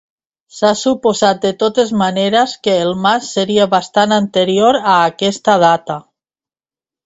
S'ha suposat de totes maneres que el mas seria bastant anterior a aquesta data.